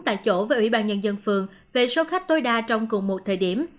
tại chỗ với ủy ban nhân dân phường về số khách tối đa trong cùng một thời điểm